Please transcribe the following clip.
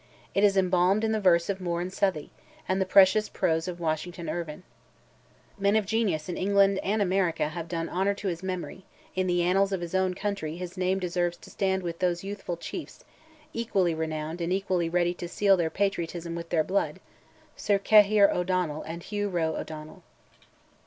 It is embalmed in the verse of Moore and Southey, and the precious prose of Washington Irvine. Men of genius in England and America have done honour to his memory; in the annals of his own country his name deserves to stand with those youthful chiefs, equally renowned, and equally ready to seal their patriotism with their blood—Sir Cahir O'Doherty and Hugh Roe O'Donnell.